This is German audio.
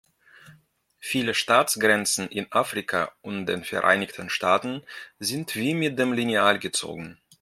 Viele Staatsgrenzen in Afrika und den Vereinigten Staaten sind wie mit dem Lineal gezogen.